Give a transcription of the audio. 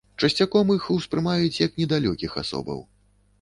Часцяком іх успрымаюць як недалёкіх асобаў.